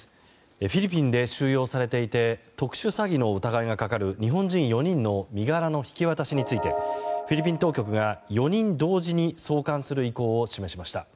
フィリピンで収容されていて特殊詐欺の疑いがかかる日本人４人の身柄の引き渡しについてフィリピン当局が４人同時に送還する意向を示しました。